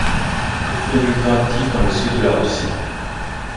Il fut un militant actif dans le sud de la Russie.